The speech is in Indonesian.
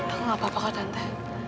aku gak apa apa tante